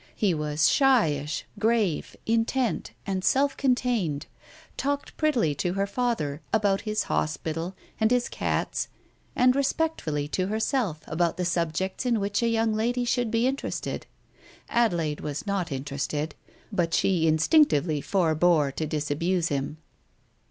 He was shyish, grave, intent, and self contained, talked prettily to her father about his hospital and his cats and respect fully to herself about the subjects in which a young lady should be interested. Adelaide was not interested, but she instinctively forebore to disabuse him.